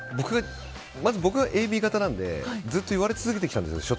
まず、僕がＡＢ型なので初対面で言われ続けてきたんですよ。